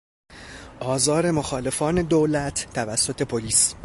آزار مخالفان دولت توسط پلیس